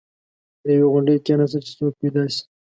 پر یوې غونډۍ کېناسته چې څوک پیدا شي.